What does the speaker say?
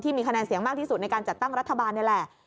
มีคะแนนเสียงมากที่สุดในการจัดตั้งรัฐบาลนี่แหละ